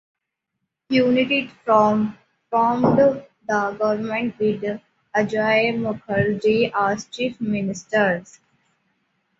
United Front formed the government with Ajoy Mukherjee as the Chief Minister.